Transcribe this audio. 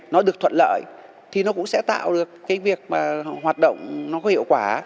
nó được thuận lợi thì nó cũng sẽ tạo được cái việc mà hoạt động nó có hiệu quả